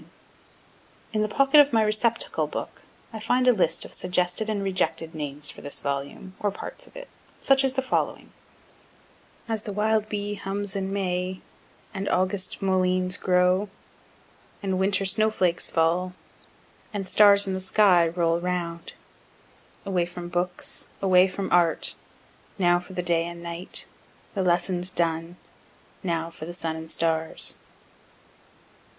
Note: In the pocket of my receptacle book I find a list of suggested and rejected names for this volume, or parts of it such as the following: As the wild bee hums in May, & August mulleins grow, & Winter snow flakes fall, & stars in the sky roll round. _Away from Books away from Art, Now for the Day and Night the lessons done, Now for the Sun and Stars.